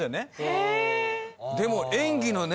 はいでも演技のね